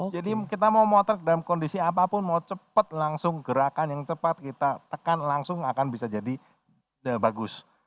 jadi kita mau motor dalam kondisi apapun mau cepet langsung gerakan yang cepat kita tekan langsung akan bisa jadi bagus